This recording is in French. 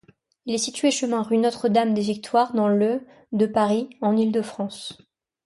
Il est situé chemin rue Notre-Dame-des-Victoires, dans le de Paris, en Île-de-France.